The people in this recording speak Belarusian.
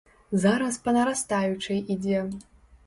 Зараз па нарастаючай ідзе.